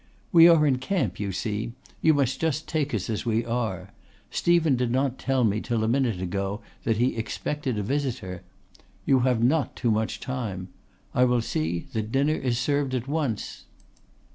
"We are in camp, you see. You must just take us as we are. Stephen did not tell me till a minute ago that he expected a visitor. You have not too much time. I will see that dinner is served at once."